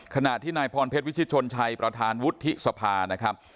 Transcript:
ขณะที่นายพรเพชรวิชิตชนชัยประธานวุฒิสภานะครับ